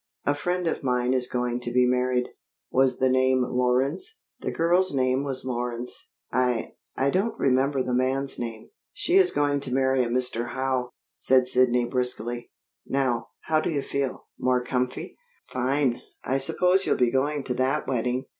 A friend of mine is going to be married. Was the name Lorenz?" "The girl's name was Lorenz. I I don't remember the man's name." "She is going to marry a Mr. Howe," said Sidney briskly. "Now, how do you feel? More comfy?" "Fine! I suppose you'll be going to that wedding?"